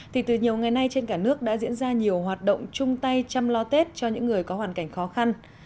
thì từ nhiều ngày nay trên cả nước đã diễn ra nhiều hoạt động chung tay chăm lo tết cho những người có hoàn cảnh khó khăn